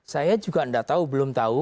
saya juga tidak tahu belum tahu